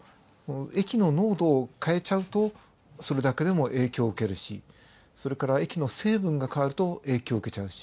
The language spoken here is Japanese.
液の濃度を変えちゃうとそれだけでも影響を受けるしそれから液の成分が変わると影響を受けちゃうし。